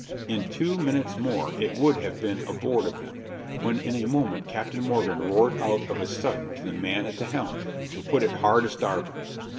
In two minutes more it would have been aboard of them, when in a moment Captain Morgan roared out of a sudden to the man at the helm to put it hard a starboard.